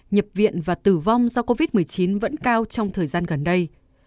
nhập viện và tử vong do covid một mươi chín vẫn cao trong thời gian gần đây